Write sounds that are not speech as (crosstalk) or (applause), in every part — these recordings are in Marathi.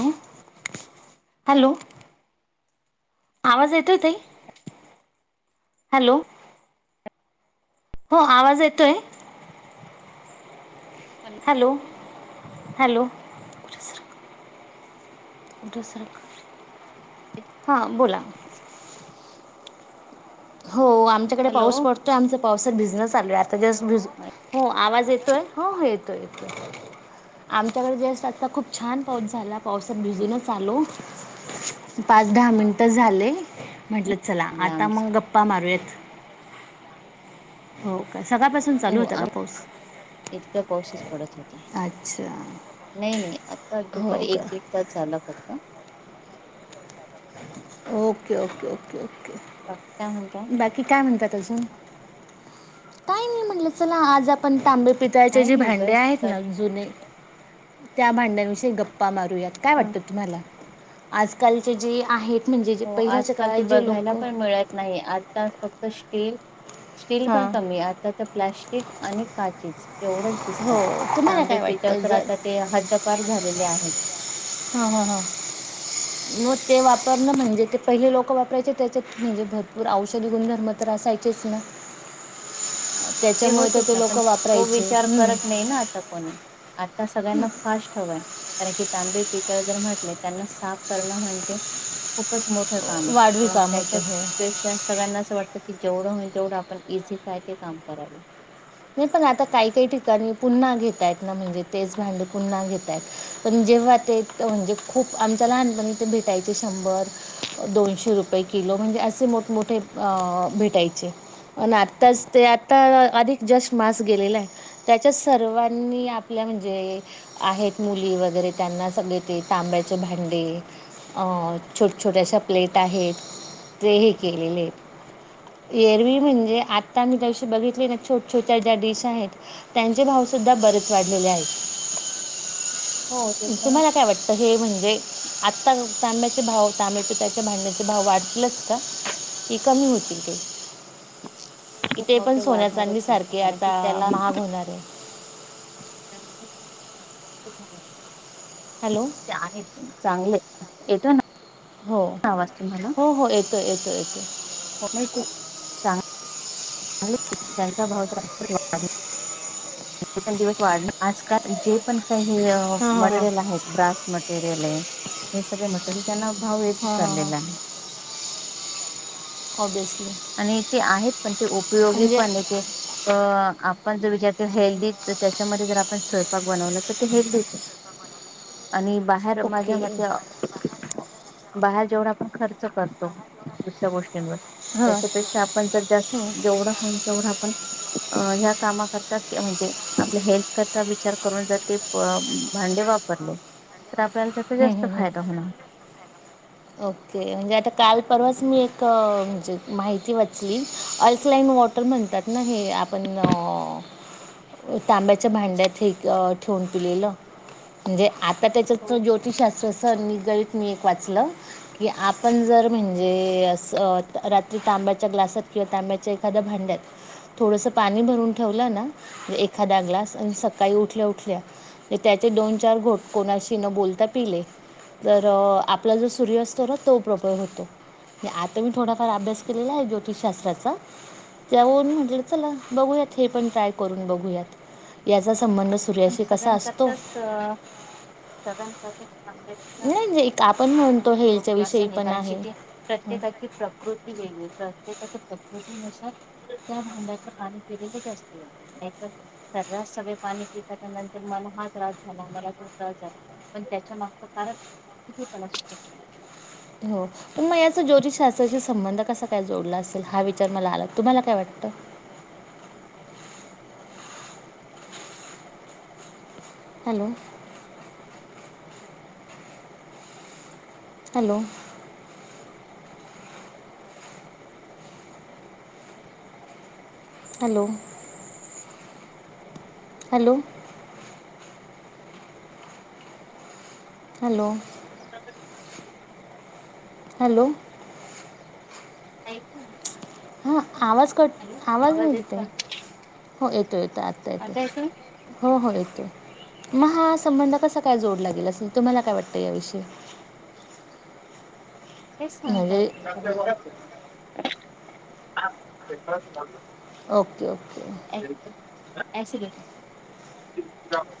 हॅलो! हॅलो! आवाज येतोय ताई? हॅलो! हो आवाज येतोय? हॅलो! हॅलो! दुसरं, हा बोल बस हो आमच्याकडे हॅलो पाऊस पडतोय आमचं पावसात भिजन चालू ये. त्याच्यास भ, हो आवाज येतोय? हो हो येतोय येतोय आमच्याकडे जस्ट आता खूप छान पाऊस झाला पावसात भुजूनच आलो. पाच दहा मिनिट झाले, म्हंटल चला आता लांबच मग गप्पा मारूयात. हो का सकाळपासून हो चालू होता हो का पाऊस? इतका पाऊसच पडत होता अच्छा नाही नाही आता हो दुपारी का एक दिड तास झालं फक्त. ओके ओके ओके ओके बाकी काय म्हणताय? बाकी काय म्हणतात अजून? काही नाही म्हटलं चला आज आप पण तांबे, पितळाचे काय जे नाही भांडे बस आहेत ना जुने, त्या भांड्यांविषयी गप्पा मारु यात ह वाट तुम्हाला? आजकालचे जे आहेत म्हणजे जे हो पहिल्याच्या आजकाल ते काळात जे बघायला लोक पण मिळत नाही आता फक्त स्टील स्टील पण हां कमी आहे, आता तर प्लॅस्टिक आणि काचेची एवढंच हो दिसतात. तुम्हाला तांबे, काय पितळ वाटतं तर जर आता ते हद्दपार झालेले आहेत. हा हा हा. मग ते वापरण म्हणजे ते पहिले लोक वापरायचे त्याच्यात म्हणजे भरपूर औषधी गुणधर्म तर असायचेच ना. ते त्याच्यामुळे तर होतच ना लोक पण तो वापरायचे विचार हम्म. करत नाही ना आ ता कोणी आता सगळ्यांना फास्ट हवय. कारण की तांबे, पितळ जर म्हटले त्यांना साफ करणं म्हणजे खूपच मो ठ काम हे वाढवी तर मग काम होतं हे त्याच्यापेक्षा सगळ्यांना असं वाटतं की जेवढं होई तेवढ आपण इझी काय ते काम करावे. नाही पण आता काही काही ठिकाणी पुन्हा घेतायत ना म्हणजे तेच भांड पुन्हा घेतायत. पण जेव्हा ते म्हणजे खूप आमच्या लहानपणी ते भेटायचे शंभर दोनशे रुपये किलो, म्हणजे असे मोठमोठे अ भेटायचे. पण आत्ताच ते आता अधिक जास् मास गेलेला आहे. त्याच्या सर्वांनी आपल्या, म्हणजे आहेत मुली वगैरे त्यांना सगळे ते तांब्याचे भांडी अ छोट्या छोट्याशा प्लेट आहेत ते हे केलेले हेत. एरवी म्हणजे आता मी त्यादिवशी बघितली ना छोटी छोट्या ज्या डिश आहेत, त्यांचे भावसुद्धा बरेच वाढलेले आहेत. हो ते तर आहे तुम्हाला काय वाटतं? तर हे म्हणजे आत्ता तांब्याचे भाव तांबेच त्याच्या भांडण्याचें भाव वाढतीलच का की कमी होतील ते? की ते भाव पण तर सोन्या वाढणारच चांदी आहे सारखे कारण की आता त्याला महाग होणार आहे. त्या (unintelligible) हॅलो. ते आहे चांगले आहेत येतो ना. हो आवाज तुम्हाला हो हो येतोय येतोय येतोय. (unintelligible) चांग (unintelligible) त्यांचा भाव चार पट वाढेल. दिवसेंदिवस वाढण आजकाल जे पण काही (unintelligible) हां हां हां आहेत. ब्रास मटेरियल आहे हे सगळे मटेरियल त्यांना भाव येतच हां हां हां चाललेला आहे. ऑब्व्हियसली. आणि ते आहेत पण ते उपयोगी पण. (unintelligible) अ.. आपण जर विचार हेल्दी तर त्याच्यामध्ये जर आपण स्वयंपाक बनवलं तर ते हेल्दी होते. (unintelligible) आणि बाहेर माझ्या ओके मत बाहेर जेवढ आपण खर्च करतो दुसऱ्या गोष्टींवर त्याच्यापेक्षा आपण जर जास्त, जेवढा होईल तेवढा आपण अं ह्या कामा करता म्हणजे आपल्या हेल्थ करता विचार करून जाते प भांडे वापरले, तर आपल्याला हम्म जास्त हम्म हम्म. (inaudible) फायदा होणार. ओके. म्हणजे आता काल, परवाच मी एक म्हणजे माहिती ब घातली. अल्कलाइन वॉटर म्हणतात ना, हे आपण तांब्याच्या भांड्यात ठेवून पिलेलं. म्हणजे आता त्याच्या हो हो ज्योतिषशास्त्रच निगडित मी एक वाचलं की, आपण जर म्हणजे असं रात्री तांब्याच्या ग्लासात किंवा तांब्याच्या एखाद्या भांड्यात थोडस पाणी भरून ठेवलं ना, एखादा ग्लास आणि सकाळी उठल्या उठल्या म्हणजे त्याचे दोन चार घोट कोणाशी न बोलता पिले, तर आपला जो सूर्यस्त तर तो प्रबळ होतोे. आता मी थोडाफार अभ्यास केलेला आहे ज्योतिषशास्त्राचा. त्यावर म्हटलं चला बघूयात हे पण ट्राय करून बघूयात. याचा संबंध पण सूर्याशी कसा सगळ्यां असतो करताच, सेवन नाही जे एक आपण म्हणतो (unintelligible) (unintelligible) हेल्थच्या योग्य विषयी असं नाही पण कारण की आहे. ते प्रत्येकाची प्रकृती वेगळी, प्रत्येकाच्या प्रकृतीनुसार त्या भांड्यातलं पाणी पिलेलं जास्त योग्य. नाहीतर सरळ सगळे पाणी एखादा म्हणतो मला हा त्रास झाला, मला तो त्रास झाला पण त्याच्या मागच कारण (unintelligible) हो. मग याचा ज्योतषशास्त्राशी संबंध कसा काय जोडला असेल? हा विचार मला आला तुम्हाला काय वाटतं? Hello. Hello. Hello. Hello. Hello. (inaudible) Hello. ऐकू येईना. हा आवाज कट, आवाज नाही येत ताई. हो येतोय येतोय आत्ता येतोय. हो हो येतोय. मग हा संबंध कसा काय जोडला गेला असेल? तुम्हाला काय वाटतं याविषयी? (inaudible) तेच सांगता येत म्हणजे नाही. (unintelligible) Okay, okay. एसिडिटी (inaudible)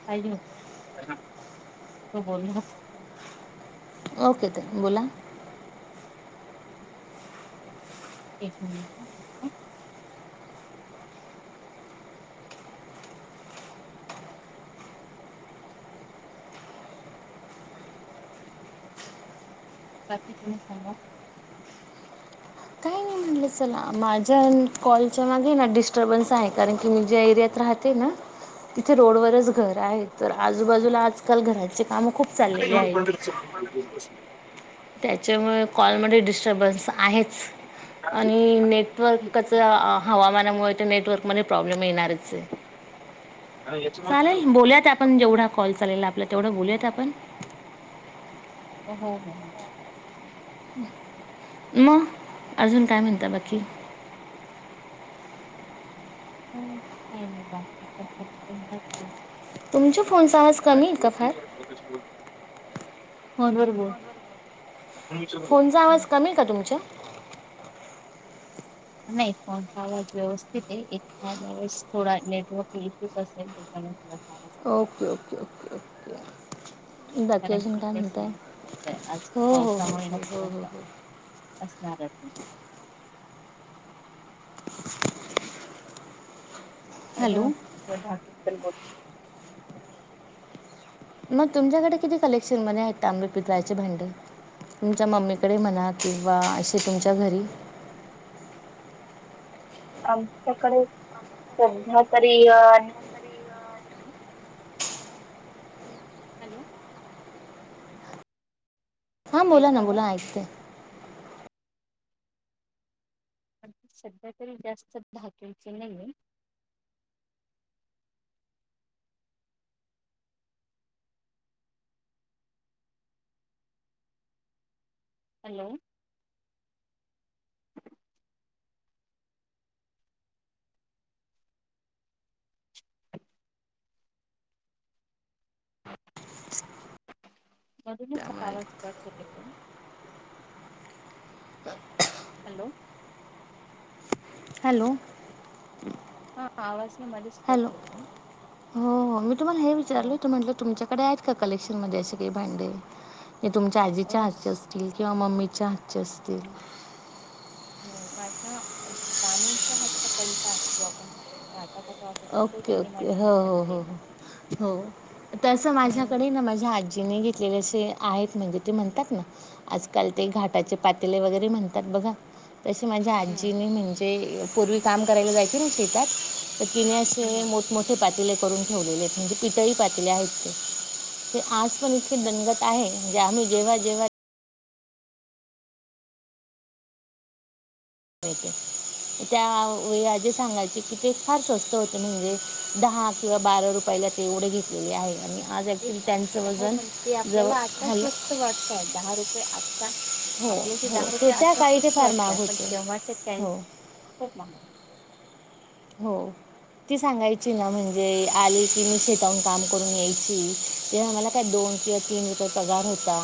(unintelligible) ओके, ताई बोला. एक मिनिट हं. बाकी तुम्ही सांगा. काय नाही मग चला माझ्या कॉलच्या मागे ना डिस्टर्बन्स आहे. कारण की मी ज्या एरियात राहते ना तिथे रोडवरच घर आहे. तर आजूबाजूला आजकाल घराचे काम खूप चाललेले आहेत (unintelligible) त्याच्यामुळे कॉलमध्ये डिस्टर्बन्स आहेच आणि आणि नेटवर्कच हवामानामुळे, ते नेटवर्क मध्ये प्रॉब्लेम येणारच आहे. याच्यामध्ये हो चालेल बोलयात आपण, जेवढा कॉल चालेल आपला तेवढं बोलूयात आपण हो, हो, हो. मग अजून काय म्हणता बाकी? काही नाही पाहा (inaudible) तुमच्या फोनचा आवाज कमी आहे का फार? (unintelligible) फोनवर बोल. फोनचा आवाज कमी आहे का तुमचा? नाही फोनचा आवाज व्यवस्थित आहे, एखाद्या वेळेस थोडा नेटवर्क इश्यूज असेल त्याच्यान ओके-ओके-ओके-ओके. कारण की कसं आहं (inaudible) आज हो हो हो पावसामुळे ना थोडासा असणार आहे पण. हॅलो (unintelligible) मग तुमच्याकडे किती कलेक्शन मध्ये आहेत, ताबं, पितळाचे भांडी? तुमच्या मम्मीकडे म्हणा किंवा अशे तुमच्या घरी? आमच्याकडे सध्या तरी अ हॅलो. हा बोला येतोय ना, आवाज बोला ऐकतेय. पण सध्या तरी जास्त धातूचं नाहीये. हॅलो. मधूनच आवाज कट होतोय (unintelligible) हॅलो. हॅलो. हा आवाज काय मध्येच कट हॅलो होतोय. हो, हो, मी तुम्हाला हे हो विचारल की हे म्हटलं तुमच्याकडे आहेत का कलेक्शन मध्ये असे काही भांडे? ते तुमच्या आजीच्या अस हातचे असतील, किंवा मम्मीच्या हातचे असतील. माझ्या नाणींच्या हातचा पैसा आहे जो (unintelligible) त्यांनी ओके-ओके माझ्या हो, हातात हो, दिलेला हो, हो तसं हम्म माझ्याकडे ना माझ्या आजी आजिने घेतलेले असे आहेत म्हणजे, ते म्हणतात ना आजकाल ते घाटाचे पातेले वगैरे म्हणतात बघा तसे माझ्या आजीनी हम्म म्हणजे, पूर्वी काम करायला जायची ना शेतात तर तिने असे मोठेंमोठे पातीले करून ठेवलेले आहेत, म्हणजे पितळी पातीले आहेत ते आज पण ती इतकी अच्छा दनंकट आहेत, जे आम्ही जेव्हा-जेव्हा (unintelligible) त्यावेळी आजी सांगायची की ते, फार स्वस्त होते म्हणजे दहा किंवा बारा रुप पहिल्या ते एवढे घेतलेले आहे, आणि आज ते ॲक्च्युली त्यांचं हो वजन, पण ते जवळ, आपल्याला आत्ता हॅलऽ स्वस्त दहा रुपये. आता, हो आपले ते हो दहा रुपये त्या आत्ता काळी ते स्वस्त फार महाग वाटतय, पण होते तेव्हाचे त्याचे हो हो ना. (unintelligible) हो. ती सांगायची ना म्हणजे, आली की मी शेताहून काम करून यायची, तेव्हा मला. काय दोन किंवा तीन रुपये पगार होता,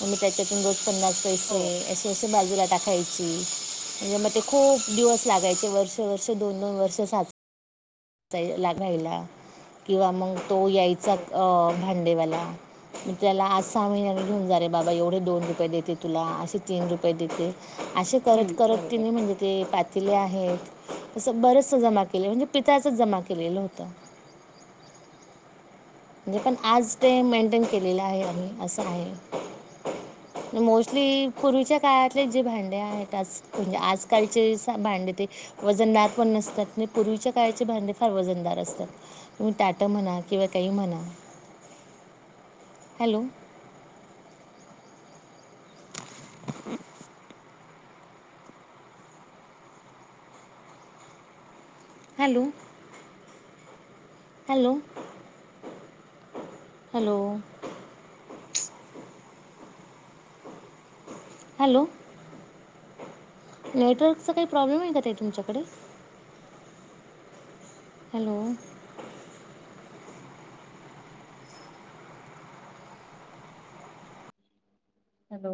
म मी त्याच्यातून रोज पन्नास हो पैसे असे पैसे बाजूला टाकायची, म्हणजे म ते खूप दिवस लागायचे, वर्ष वर्ष दोन दोन वर् अस साच चाय लागायला, किंवा मंग तो यायचा हो. अ भांडेवाला म त्याला आज सहा महिन्याने घेऊन जा रे बाबा, एवढे दोन रुपये देते तुला, असे तीन रुपये देते असे करत हम्म करत बरोबर. तिनी म्हणजे जे पातिले आहेत, असं बरचस जमा केले, म्हणजे पितळाचंच जमा केलेलं होतं. म्हणजे पण, आज ते मेंटन केलेलं आहे आम्ही, असं आहे. म मोस्टली पूर्वीच्या काळातले जे भांडे आहेत, आज म्हणजे आजकालचे स भांडे ते वजनदार पण नसतात, न पूर्वीच्या काळाचे भांडे फार वजनदार असतात. तुम्ही ताट म्हणा किंवा काही म्हणा, hello (inaudible) hello, hello, hello hello, नेटवर्कचा काही प्रॉब्लेम हाय का ताई तुमच्याकडे? Hello, hello,